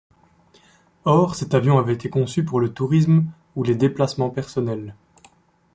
Or, cet avion avait été conçu pour le tourisme ou les déplacements personnels.